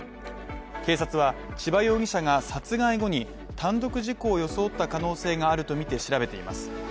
警察は千葉容疑者が殺害後に単独事故を装った可能性があるとみて調べています。